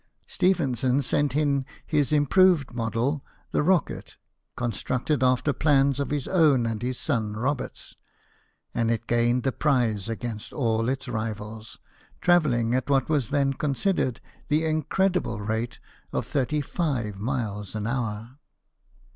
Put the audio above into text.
Stephenson sent in his improved model, the Rocket, constructed after plans of his own and his son Robert's, and it gained the prize against all its rivals, travelling at what was then considered the in credible rate of 35 miles an hour.